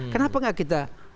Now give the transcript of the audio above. kenapa gak kita